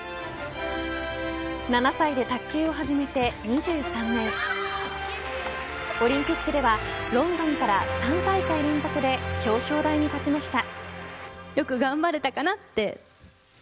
７歳で卓球を始めて２３年オリンピックではロンドンから３大会連続で表彰台に立ちました。